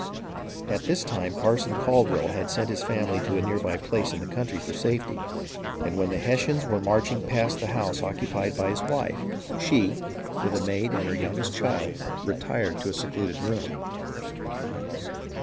At this time Parson Caldwell had sent his family to a near by place in the country for safety, and when the Hes sians were marching past the house occupied by his wife, MINOR ENGAGEMENTS 28/ she, with a maid and her youngest child, retired to a secluded room.